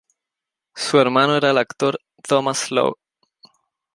Su hermano era el actor Thomas Law.